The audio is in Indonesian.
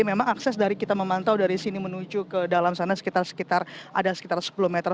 memang akses dari kita memantau dari sini menuju ke dalam sana sekitar ada sekitar sepuluh meter